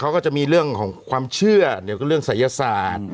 เขาก็จะมีเรื่องของความเชื่อเกี่ยวกับเรื่องศัยศาสตร์